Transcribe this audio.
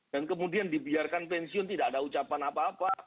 dan kemudian dibiarkan pensiun tidak ada ucapan apa apa